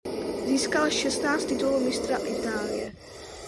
Získal šestnáct titulů mistra Itálie.